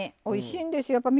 おいしいんですよ。